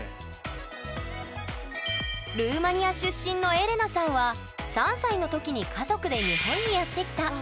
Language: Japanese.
長いね。のエレナさんは３歳の時に家族で日本にやって来た。